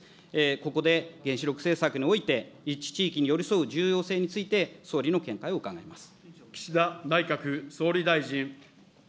ここで原子力政策において、立地地域に寄り添う重要性について、総理の見解を伺います。